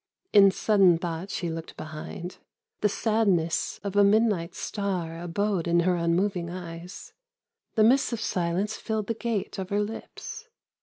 In sudden thought she looked behind j The sadness of a midnight star Abode in her unmoving eyes ; The mists of silence filled the gate of her lips.